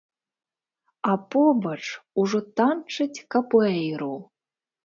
А побач ужо танчаць капуэйру!